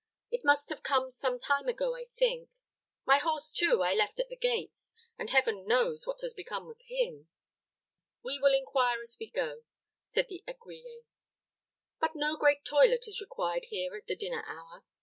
It must have come some time ago, I think. My horse, too, I left at the gates, and Heaven knows what has become of him." "We will inquire we will inquire as we go," said the écuyer; "but no great toilet is required here at the dinner hour.